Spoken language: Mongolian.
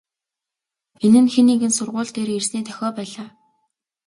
Энэ нь хэн нэгэн сургууль дээр ирсний дохио байлаа.